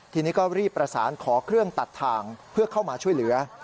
ทีนี้ก็รีบประสานขอเครื่องตัดทางเพื่อเข้ามาช่วยเหลือ